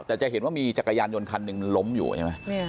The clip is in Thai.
แต่จะเห็นว่ามีจักรยานยนต์คันหนึ่งล้มอยู่ใช่ไหม